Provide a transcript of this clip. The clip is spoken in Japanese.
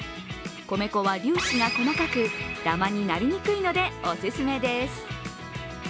米粉は粒子が細かく、ダマになりにくいのでおすすめです。